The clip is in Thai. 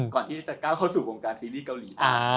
ก่อนที่จะก้าวเข้าสู่วงการซีรีส์เกาหลี